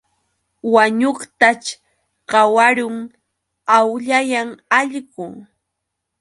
Wañuqtaćh qawarun, awllayan allqu.